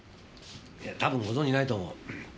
多分ご存じないと思う。